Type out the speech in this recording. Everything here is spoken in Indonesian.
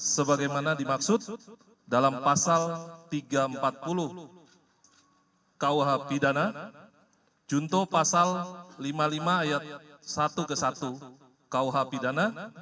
sebagaimana dimaksud dalam pasal tiga ratus empat puluh kuh pidana junto pasal lima puluh lima ayat satu ke satu kuh pidana